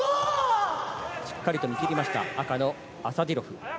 しっかりと見切りました、赤のアサディロフ。